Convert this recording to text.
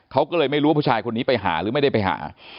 เขาก็เลยไม่รู้ว่าผู้ชายคนนี้ไปหาหรือไม่ได้ไปหา